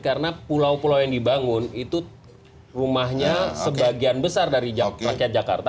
karena pulau pulau yang dibangun itu rumahnya sebagian besar dari rakyat jakarta